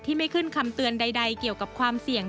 ไม่ขึ้นคำเตือนใดเกี่ยวกับความเสี่ยง